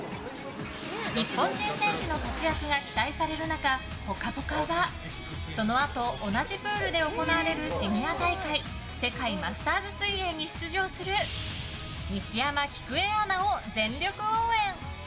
日本人選手の活躍が期待される中「ぽかぽか」はそのあと同じプールで行われるシニア大会世界マスターズ水泳に出場する西山喜久恵アナを全力応援！